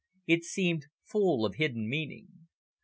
It seemed full of hidden meaning.